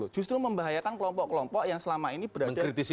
justru membahayakan kelompok kelompok yang selama ini berada